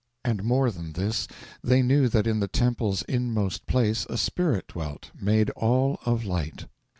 And more than this. They knew That in the temple's inmost place a spirit dwelt, Made all of light!